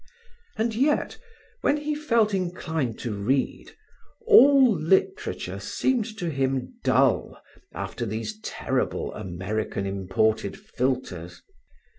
And yet, when he felt inclined to read, all literature seemed to him dull after these terrible American imported philtres.